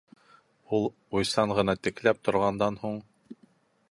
Ул, уйсан ғына текләп торғандан һуң: